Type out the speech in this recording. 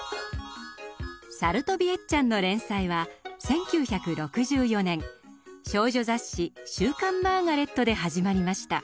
「さるとびエッちゃん」の連載は１９６４年少女雑誌「週刊マーガレット」で始まりました。